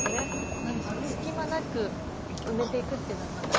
何でしょうね隙間なく埋めていくっていうのはまたね